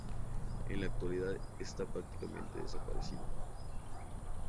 En la actualidad está prácticamente desaparecido.